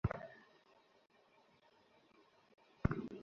মাথা একদম গেছে আপনাদের!